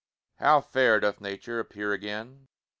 How fair doth Nature Appear again!